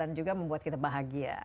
dan juga membuat kita bahagia